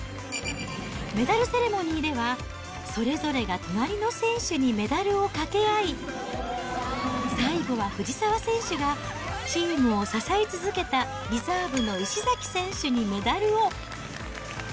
メダルセレモニーでは、それぞれが隣の選手にメダルをかけ合い、最後は藤澤選手が、チームを支え続けたリザーブの石崎選手にメダルを。